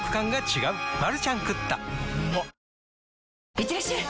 いってらっしゃい！